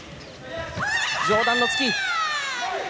上段の突き。